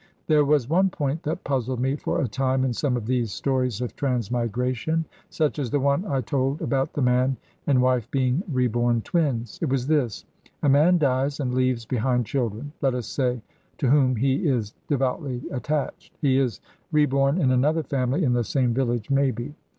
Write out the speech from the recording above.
There was one point that puzzled me for a time in some of these stories of transmigration, such as the one I told about the man and wife being reborn twins. It was this: A man dies and leaves behind children, let us say, to whom he is devoutly attached. He is reborn in another family in the same village, maybe.